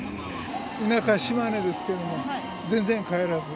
田舎、島根ですけれども、全然帰らず。